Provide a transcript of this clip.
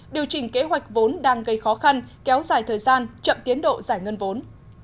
điều chỉnh kế hoạch vốn đang gây khó khăn kéo dài thời gian chậm tiến độ giải ngân vốn